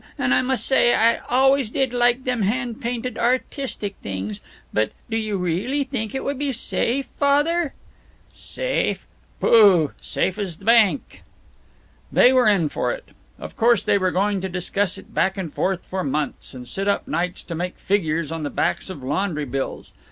And I must say I always did like them hand painted artistic things. But do you really think it would be safe, Father?" "Safe? Pooh! Safe's the bank!" They were in for it. Of course they were going to discuss it back and forth for months, and sit up nights to make figures on the backs of laundry bills.